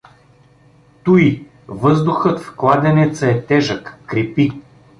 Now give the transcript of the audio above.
Туй… въздухът в кладенеца е тежък, крепи.